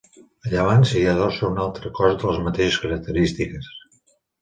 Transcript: A llevant s'hi adossa un altre cos de les mateixes característiques.